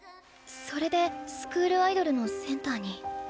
それでスクールアイドルのセンターに。